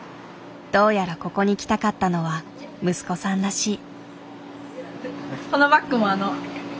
どうやらここに来たかったのは息子さんらしい。